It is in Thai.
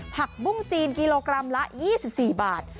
ผักบุ้งจีนกิโลกรัมละ๒๔บาท